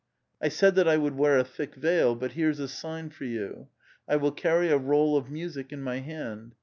I said that I would wear a thick veil ; but here's a sign for you : I will can y a roll of music in my hand.